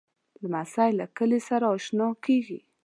لمسی له کلي سره اشنا کېږي.